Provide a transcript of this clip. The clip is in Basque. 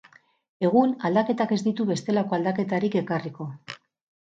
Egun aldaketak ez ditu bestelako aldaketarik ekarriko.